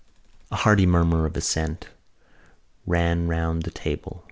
A hearty murmur of assent ran round the table.